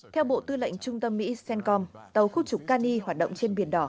theo bộ tư lệnh trung tâm mỹ cencom tàu khu trục kani hoạt động trên biển đỏ